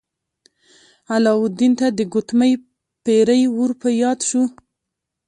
علاوالدین ته د ګوتمۍ پیری ور په یاد شو.